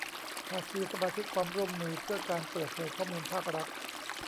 ภาคีสมาชิกความร่วมมือเพื่อการเปิดเผยข้อมูลภาครัฐ